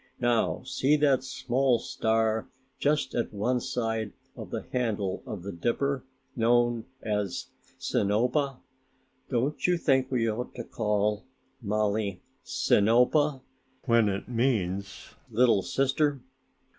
Now see that small star just at one side of the handle of the Dipper, known as 'Sinopa'. Don't you think we ought to call Mollie, 'Sinopa,' when it means 'Little Sister'?"